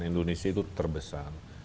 indonesia itu terbesar